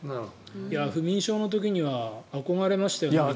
不眠症の時には憧れましたよ。